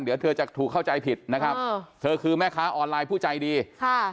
เดี๋ยวเธอจะถูกเข้าใจผิดนะครับเออเธอคือแม่ค้าออนไลน์ผู้ใจดีค่ะ